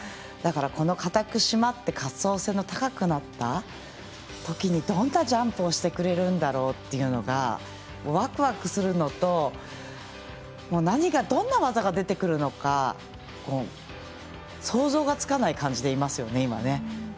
だから、かたく締まって滑走性の高くなったときにどんなジャンプをしてくれるんだろうというのがワクワクするのと、どんな技が出てくるのか想像がつかない感じでいます。